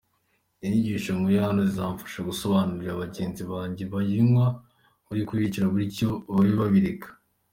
Inyigisho nkuye hano zizamfasha gusobanurira bagenzi banjye babinywa ko ari ukwiyica bityo babe babireka”.